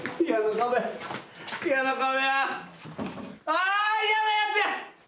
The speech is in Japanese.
・あ嫌なやつや！